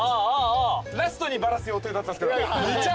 ラストにバラす予定だったんですけど。